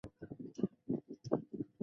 而海啸是一种具有强大破坏力的海浪。